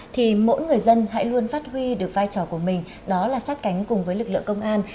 thì mỗi người dân hãy luôn phát huy được vai trò của mình đó là sát cánh cùng với lực lượng công an